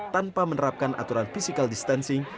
tanpa menerapkan aturan physical distancing